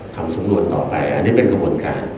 ทำสำนวนต่อไปอันนี้เป็นกระบวนการ